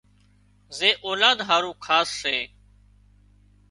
زي اولاد هارُو خاص سي